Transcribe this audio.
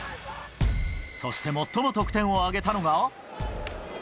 そして最も得点を挙げたのが。